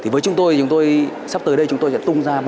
với chúng tôi sắp tới đây chúng tôi sẽ tung ra